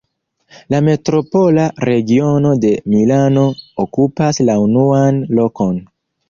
La metropola regiono de Milano okupas la unuan lokon.